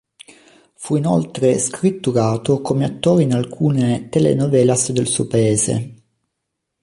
Fu inoltre scritturato come attore in alcune telenovelas del suo Paese.